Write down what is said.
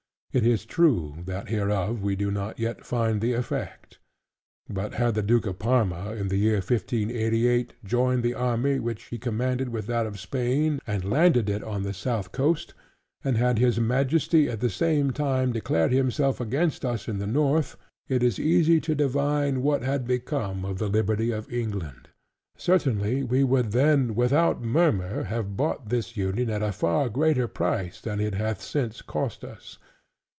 It is true that hereof we do not yet find the effect. But had the Duke of Parma in the year 1588, joined the army which he commanded, with that of Spain, and landed it on the south coast; and had his Majesty at the same time declared himself against us in the North: it is easy to divine what had become of the liberty of England, certainly we would then without murmur have bought this union at far greater price than it hath since cost us.